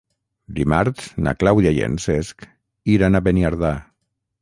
Dimarts na Clàudia i en Cesc iran a Beniardà.